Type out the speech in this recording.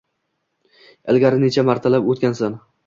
Ilgari necha martalab o‘tgansan!